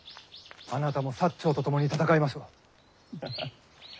あなたも長とともに戦いましょう。